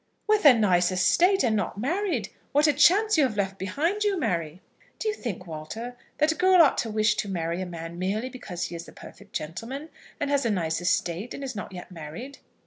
"With a nice estate and not married! What a chance you have left behind you, Mary!" "Do you think, Walter, that a girl ought to wish to marry a man merely because he is a perfect gentleman, and has a nice estate and is not yet married?"